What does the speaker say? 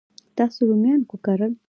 تاسو رومیان وکرل؟